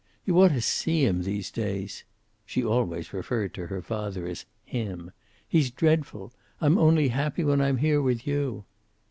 You ought to see him these days." She always referred to her father as "him." "He's dreadful. I'm only happy when I'm here with you."